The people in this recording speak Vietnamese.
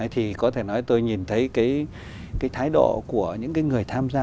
thì có thể nói tôi nhìn thấy cái thái độ của những người tham gia